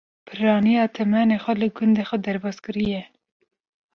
Pirraniya temenê xwe li gundê xwe derbaskiriye.